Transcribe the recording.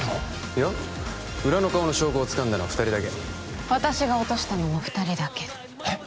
いや裏の顔の証拠をつかんだのは二人だけ私が落としたのも二人だけえっ？